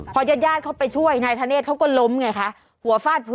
พอใย๊ดเขาไปช่วยนายทัเนธเขาก็ล้มไงคะ